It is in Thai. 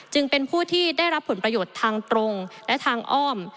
จึงเป็นผู้ที่ได้รับผลประโยชน์ทางตรงและทางอ้อม